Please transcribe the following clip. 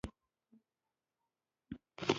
فیومیلانین چې دا ټاکي ویښتان څومره سره یا ژېړ وي.